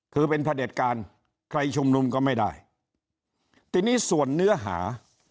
คือเป็นพระเด็จการใครชุมนุมก็ไม่ได้ทีนี้ส่วนเนื้อหา